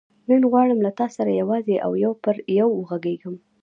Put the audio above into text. نن غواړم له تا سره یوازې او یو پر یو وغږېږم.